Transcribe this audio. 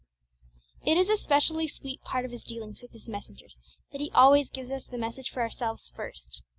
It is a specially sweet part of His dealings with His messengers that He always gives us the message for ourselves first.